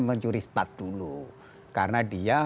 mencuristat dulu karena dia